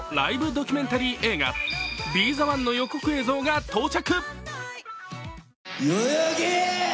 ドキュメンタリー映画「ＢＥ：ｔｈｅＯＮＥ」の予告映像が到着。